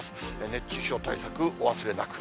熱中症対策、お忘れなく。